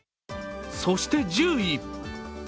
そして１０位。